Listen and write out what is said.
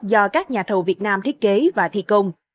do các nhà thầu việt nam thiết kế và thi công